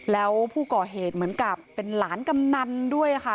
แล้วผู้ก่อเหตุเหมือนกับเป็นหลานกำนันด้วยค่ะ